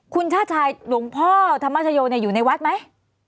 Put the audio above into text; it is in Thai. คุณชาติชายหลวงพ่อธรรมชโยอยู่ในวัดไหม